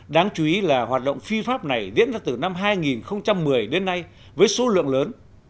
đáng chú ý là hoạt động phi pháp này diễn ra từ năm hai nghìn một mươi đến nay với số lượng lớn